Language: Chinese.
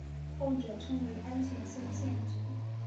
后者称为安全性限制。